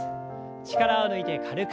力を抜いて軽く。